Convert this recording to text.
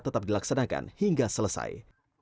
tetap dilaksanakan hingga selesai